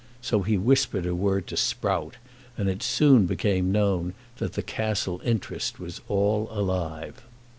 So he whispered a word to Sprout, and it soon became known that the Castle interest was all alive.